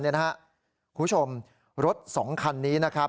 คุณผู้ชมรถสองคันนี้